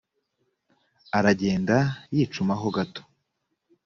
aragenda yicuma ho hato